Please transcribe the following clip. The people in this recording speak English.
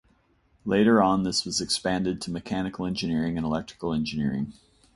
Later on this was expanded to mechanical engineering and electrical engineering.